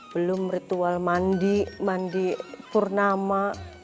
belum ritual mandi mandi purnama